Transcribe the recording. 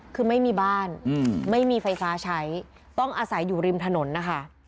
คือไม่มีบ้านไม่มีไฟฟ้าใช้ต้องอาศัยอยู่ริมถนนนะคะ